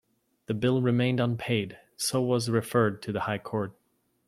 The bill remained unpaid so was referred to the high court.